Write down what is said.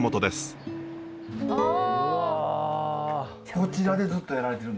こちらでずっとやられてるんですか？